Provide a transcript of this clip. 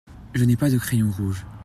Je n'ai pas de crayon rouge.